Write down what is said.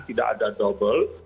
tidak ada double